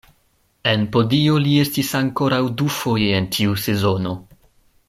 En podio li estis ankoraŭ dufoje en tiu sezono.